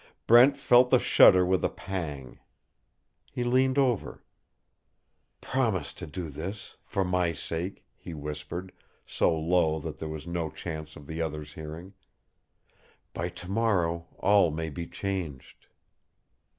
Brent felt the shudder with a pang. He leaned over. "Promise to do this for my sake," he whispered, so low that there was no chance of the others hearing. "By to morrow all may be changed."